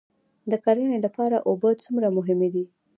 د کرنې لپاره اوبه څومره مهمې دي؟